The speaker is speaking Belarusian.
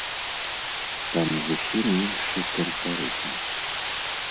Там зусім іншы тэмпарытм.